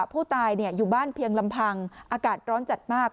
ผู้ตายอยู่บ้านเพียงลำพังอากาศร้อนจัดมาก